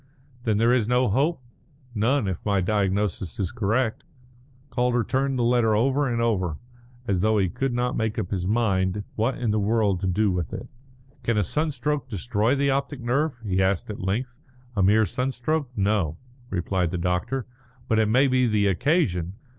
"Then there is no hope?" "None, if my diagnosis is correct." Calder turned the letter over and over, as though he could not make up his mind what in the world to do with it. "Can a sunstroke destroy the optic nerve?" he asked at length. "A mere sunstroke? No," replied the doctor. "But it may be the occasion.